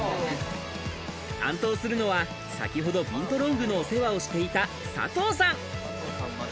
担当するのは先ほどビントロングのお世話をしていた佐藤さん。